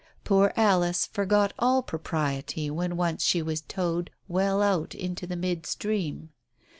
Poor Alice forgot all propriety when once she was towed well out into mid stream.